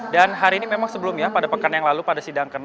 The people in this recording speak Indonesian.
dan hari ini memang sebelumnya pada pekan yang lalu pada sidang ke enam